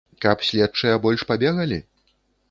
Каб следчыя больш пабегалі?